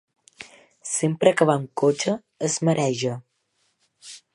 Sempre que va amb cotxe es mareja.